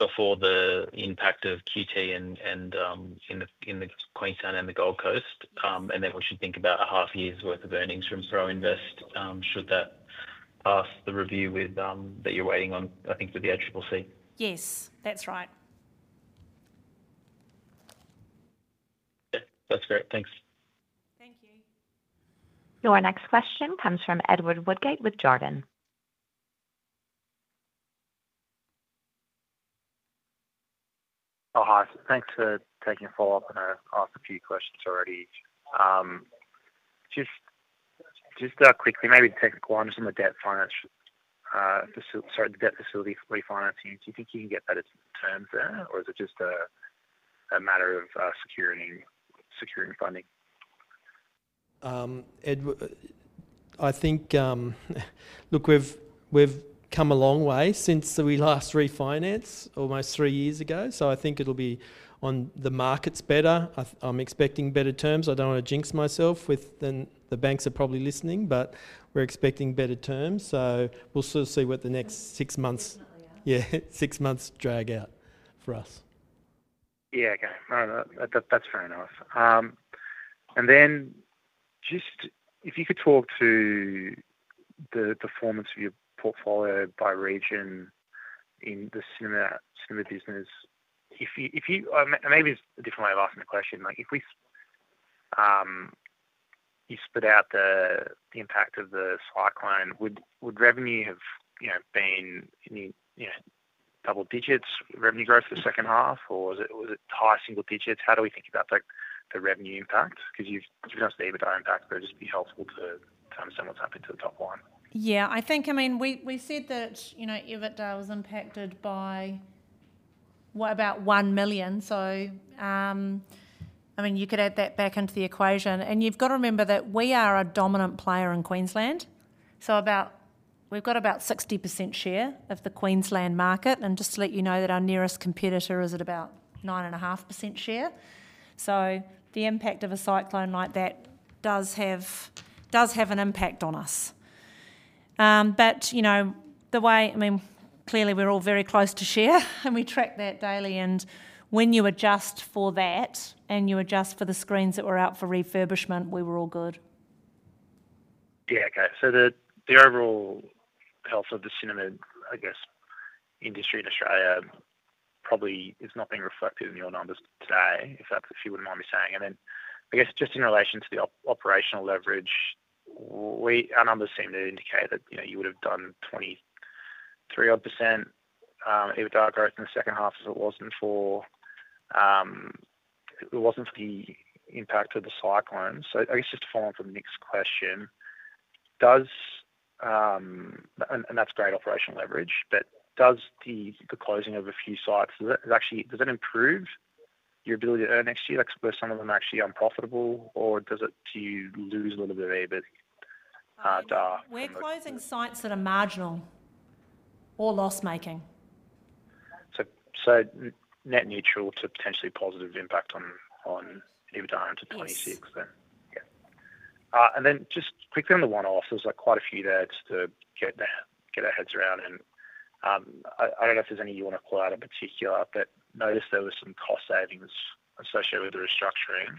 Speaker 8: before the impact of QT and in Queenstown and the Gold Coast. We should think about a half year's worth of earnings from Pro-invest Hotels should that pass the review that you're waiting on, I think, for the [exposee].
Speaker 2: Yes, that's right.
Speaker 8: That's great, thanks.
Speaker 2: Thank you.
Speaker 1: Your next question comes from Edward Woodgate with Jarden.
Speaker 4: Hi, thanks for taking a follow-up on a few questions already. Just quickly, maybe the technical ones on the debt finance, sorry, the debt facility refinancing. Do you think you can get better terms there, or is it just a matter of securing funding?
Speaker 5: I think we've come a long way since we last refinanced almost three years ago. I think it'll be, on the market's better, I'm expecting better terms. I don't want to jinx myself with them. The banks are probably listening, but we're expecting better terms. We'll sort of see what the next six months, yeah, six months drag out for us.
Speaker 4: Okay, that's fair enough. If you could talk to the performance of your portfolio by region in the cinema business, and maybe it's a different way of asking the question, like if you spit out the impact of the cyclone, would revenue have been in double digits revenue growth for the second half, or was it high single digits? How do we think about the revenue impact? You've done some EBITDA impact, but it'd just be helpful to understand what's happening to the top line.
Speaker 2: I think, I mean, we said that, you know, EBITDA was impacted by about $1 million. You could add that back into the equation. You've got to remember that we are a dominant player in Queensland. We've got about 60% share of the Queensland market. Just to let you know, our nearest competitor is at about 9.5% share. The impact of a cyclone like that does have an impact on us. The way, I mean, clearly we're all very close to share, and we track that daily. When you adjust for that, and you adjust for the screens that were out for refurbishment, we were all good.
Speaker 4: Okay. The overall health of the cinema industry in Australia probably is not being reflected in your numbers today, if that's, if you wouldn't mind me saying. In relation to the operational leverage, our numbers seem to indicate that you would have done 23% EBITDA growth in the second half if it wasn't for the impact of the cyclone. Just to follow on from the next question, that's great operational leverage, but does the closing of a few sites actually improve your ability to earn next year? Were some of them actually unprofitable, or do you lose a little bit of EBITDA?
Speaker 2: We're closing sites that are marginal or loss making.
Speaker 4: Net neutral to potentially positive impact on EBITDA to 26%. Yeah. Just quickly on the one-offs, there's quite a few there just to get our heads around. I don't know if there's any you want to call out in particular, but noticed there were some cost savings associated with the restructuring.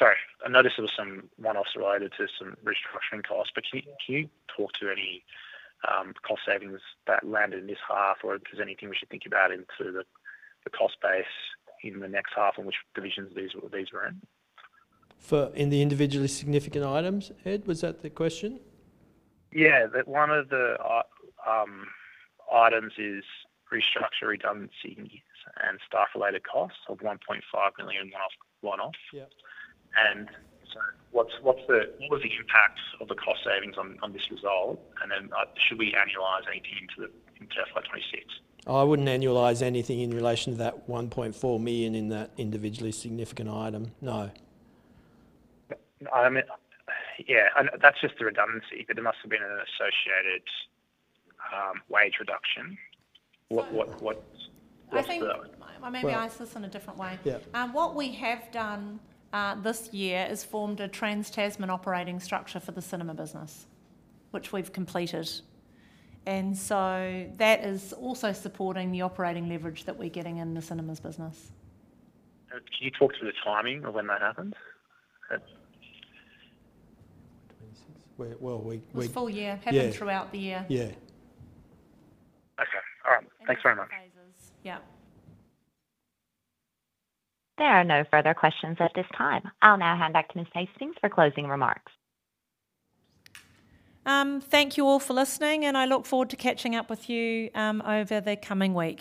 Speaker 4: I noticed there were some one-offs related to some restructuring costs, but can you talk to any cost savings that landed in this half, or is there anything we should think about into the cost base in the next half and which divisions these were in?
Speaker 5: For in the individually significant items, Ed, was that the question?
Speaker 4: Yeah, that one of the items is restructure redundancy in years and staff-related costs of $1.5 million one-off. What's the impact of the cost savings on this result? Should we annualize anything into the FY26?
Speaker 5: I wouldn't annualize anything in relation to that $1.4 million in that individually significant item, no.
Speaker 4: Yeah, that's just the redundancy, but there must have been an associated wage reduction.
Speaker 2: I think I may ask this in a different way. What we have done this year is formed a trans-Tasman operating structure for the cinema business, which we've completed. That is also supporting the operating leverage that we're getting in the cinemas business.
Speaker 4: Can you talk to the timing of when that happened?
Speaker 2: This full year happened throughout the year.
Speaker 5: Yeah.
Speaker 4: Okay, all right. Thanks very much.
Speaker 2: Yeah.
Speaker 1: There are no further questions at this time. I'll now hand back to Ms. Hastings for closing remarks.
Speaker 2: Thank you all for listening, and I look forward to catching up with you over the coming week.